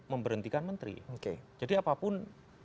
memberhentikan menteri jadi apapun